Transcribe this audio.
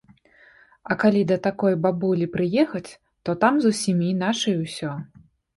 А калі да такой бабулі прыехаць, то там зусім іначай усё.